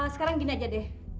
sekarang gini aja deh